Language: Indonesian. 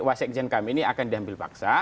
wasekjen kami ini akan diambil paksa